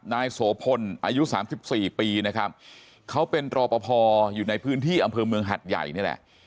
นายโสพลอายุสามสิบสี่ปีนะครับเขาเป็นรอปภอยู่ในพื้นที่อำเภอเมืองหัดใหญ่นี่แหละ